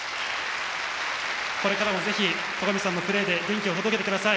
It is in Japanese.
これからもぜひ、戸上さんのプレーで元気を届けてください。